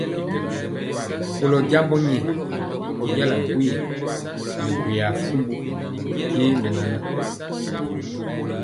Kolɔ jambɔ nyɛ, ɔ jala gwoye yɛ nɛ byanjaa fumbu je mɛnana.